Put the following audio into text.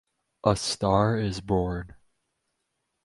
A star is born.